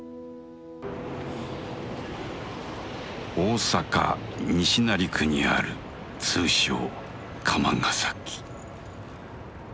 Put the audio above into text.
大阪西成区にある通称「釜ヶ崎」。